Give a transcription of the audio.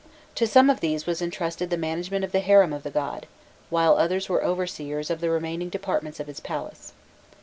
To some of these was entrusted the management of the harem of the god, while others were overseers of the remaining departments of his palace.